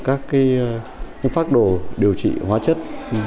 các phác đồ điều trị hóa chất